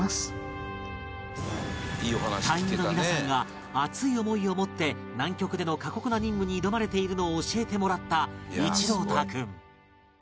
隊員の皆さんが熱い思いを持って南極での過酷な任務に挑まれているのを教えてもらった一朗太君